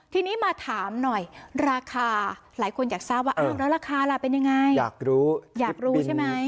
ทีนี้มาถามหน่อยราคาหลายคนอยากทราบว่าอ้าวแล้วราคาล่ะเป็นยังไงอยากรู้อยากรู้ใช่ไหม